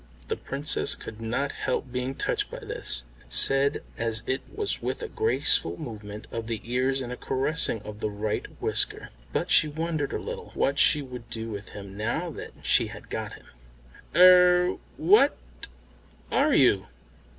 The Princess could not help being touched by this, said as it was with a graceful movement of the ears and a caressing of the right whisker, but she wondered a little what she would do with him now that she had got him. "Er what are you?"